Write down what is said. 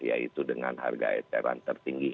yaitu dengan harga eceran tertinggi